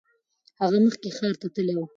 هغه مخکې ښار ته تللی و.